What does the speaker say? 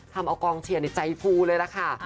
ทำเอากองเชียร์ในใจฟูเลยล่ะค่ะ